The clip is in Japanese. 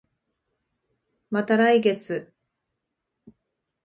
また来月